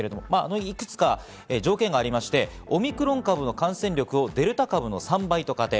いくつか条件があり、オミクロン株の感染力をデルタ株の３倍と仮定。